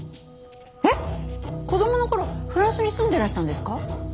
えっ子供の頃フランスに住んでらしたんですか？